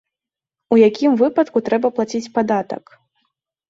У якім выпадку трэба плаціць падатак?